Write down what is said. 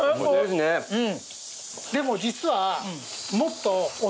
でも実は。